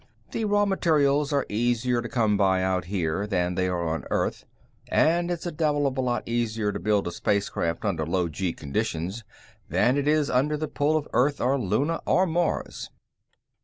The raw materials are easier to come by out here than they are on Earth, and it's a devil of a lot easier to build spacecraft under low gee conditions than it is under the pull of Earth or Luna or Mars.